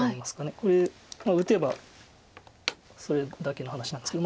これ打てばそれだけの話なんですけど。